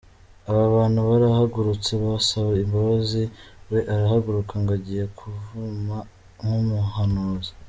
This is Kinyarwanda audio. Abantu barahagurutse basaba imbabazi, we arahaguruka ngo agiye kuvuma nk’umuhanuzi.